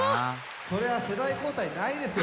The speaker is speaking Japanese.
そりゃあ世代交代ないですよ！